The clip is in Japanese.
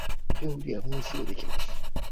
料理はもうすぐできます